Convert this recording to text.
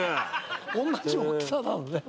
おんなじ大きさなのね。